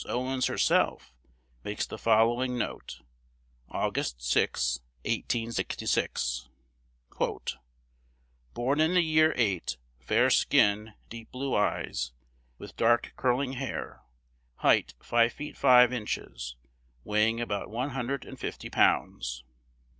Owens herself makes the following note, Aug. 6, 1866: "Born in the year eight; fair skin, deep blue eyes, with dark curling hair; height five feet five inches, weighing about one hundred and fifty pounds."